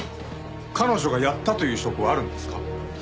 彼女がやったという証拠はあるんですか？